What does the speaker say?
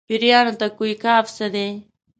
پېریانو ته کوه قاف څه دي.